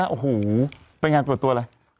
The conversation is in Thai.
โอ้โหไปงานตัวอะไร